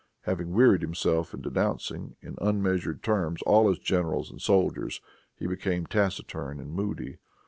Having wearied himself in denouncing, in unmeasured terms, all his generals and soldiers, he became taciturn and moody.